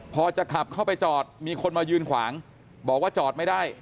พอจะขับเข้าไปจอดมีคนมายืนขวางบอกว่าจอดไม่ได้